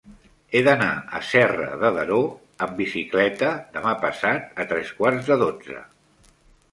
He d'anar a Serra de Daró amb bicicleta demà passat a tres quarts de dotze.